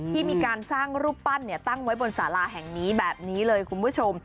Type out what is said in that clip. ที่มีการสร้างรูปปั้นตั้งไว้บนสาราแห่งนี้แบบนี้เลยคุณผู้ชม